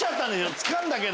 つかんだけど。